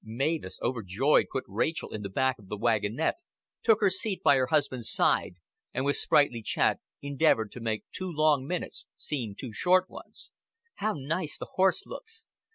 Mavis, overjoyed, put Rachel in the back of the wagonette, took her seat by her husband's side, and with sprightly chat endeavored to make two long minutes seem two short ones. "How nice the horse looks!